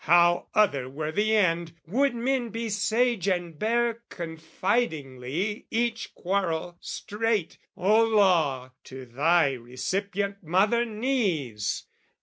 How other were the end, would men be sage And bear confidingly each quarrel straight, O Law, to thy recipient mother knees!